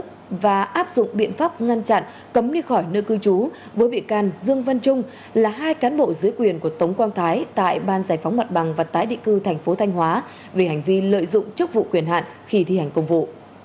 cấm đi khỏi nơi cư trú với bị can dương văn trung là hai cán bộ dưới quyền của tống quang thái tại ban giải phóng mặt bằng và tái địa cư tp thanh hóa về hành vi lợi dụng chức vụ quyền hạn khi thi hành công vụ